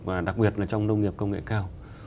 và đặc biệt là trong nông nghiệp công nghệ cao